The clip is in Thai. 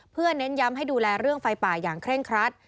เพื่อเน้นย้ำให้ดูแลเรื่องไฟป่าอย่างเคร่งครัด